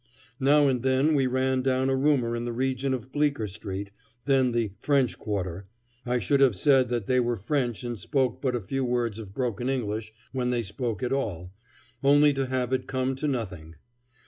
Now and then we ran down a rumor in the region of Bleecker street, then the "French quarter," I should have said that they were French and spoke but a few words of broken English when they spoke at all, only to have it come to nothing.